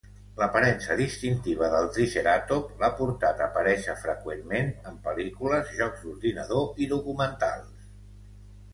L'aparença distintiva del triceratop l'ha portat a aparèixer freqüentment en pel·lícules, jocs d'ordinador i documentals.